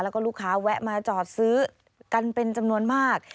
แล้วก็ลูกค้าแวะมาจอดซื้อกันเป็นจำนวนมาก